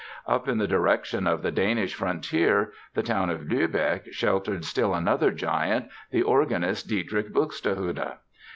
Up in the direction of the Danish frontier the town of Lübeck sheltered still another giant, the organist Dietrich Buxtehude.